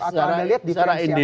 atau ada lihat diferensi lain